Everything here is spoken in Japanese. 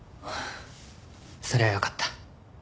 それはよかった。